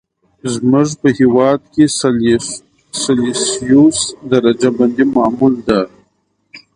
زموږ په هېواد کې سلسیوس درجه بندي معمول ده.